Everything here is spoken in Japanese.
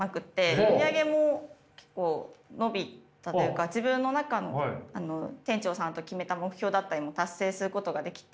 売り上げも結構伸びたというか自分の中の店長さんと決めた目標だったりも達成することができて。